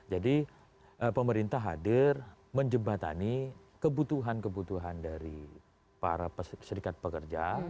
jadi pemerintah hadir menjembatani kebutuhan kebutuhan dari para sedikat pekerja